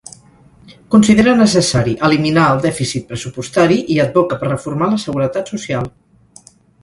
Considera necessari eliminar el dèficit pressupostari i advoca per reformar la seguretat social.